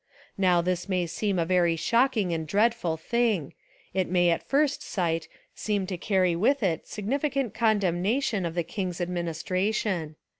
Now this may seem a very shocking and dreadful thing — it may at first sight seem to carry with it sufficient con demnation of the king's administration.